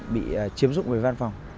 bị chiếm rụng về văn phòng